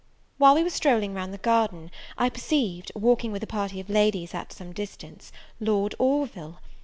While we were strolling round the garden, I perceived, walking with a party of ladies at some distance, Lord Orville!